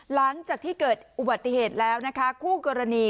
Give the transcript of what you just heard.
หลังจากที่เกิดอุบัติเหตุแล้วนะคะคู่กรณี